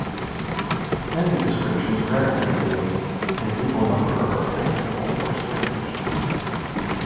Many descriptions are very mundane, and an equal number are fanciful or strange.